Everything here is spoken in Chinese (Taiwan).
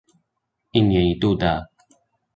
一年一度的